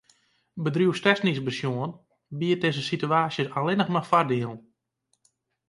Bedriuwstechnysk besjoen biedt dizze situaasje allinnich mar foardielen.